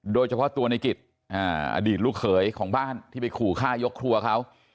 โดยเฉพาะตัวในกิจอดีตลูกเขยของบ้านที่ไปขู่ฆ่ายกครัวเขา